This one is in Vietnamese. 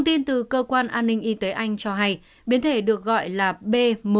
tin từ cơ quan an ninh y tế anh cho hay biến thể được gọi là b một một năm trăm hai mươi chín